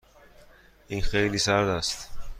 این خیلی سرد است.